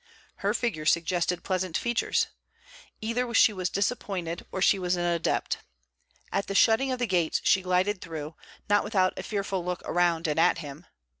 Her figure suggested pleasant features. Either she was disappointed or she was an adept. At the shutting of the gates she glided through, not without a fearful look around and at him.